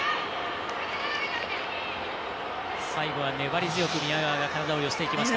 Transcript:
最後は粘り強く宮川が体を寄せていきました。